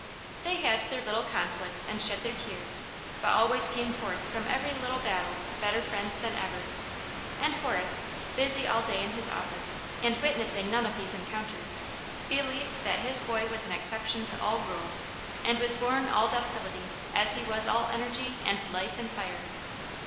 They Aunt Jane's Hero. 255 had their little conflicts and shed their tears, but always came forth from every little battle better friends than ever; and Horace, busy all day in his office, and witnessing none of these encounters, believed that his boy was an exception to all rules, and was born all docility, as he was all energy and ife and fire.